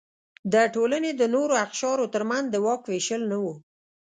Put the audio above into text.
د ټولنې د نورو اقشارو ترمنځ د واک وېشل نه و.